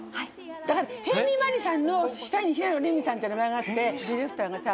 だから辺見マリさんの下に平野レミさんって名前があってディレクターがさ